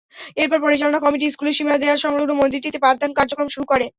এরপর পরিচালনা কমিটি স্কুলের সীমানা দেয়াল-সংলগ্ন মন্দিরটিতে পাঠদান কার্যক্রম শুরু করে।